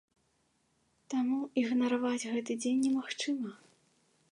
Таму ігнараваць гэты дзень немагчыма.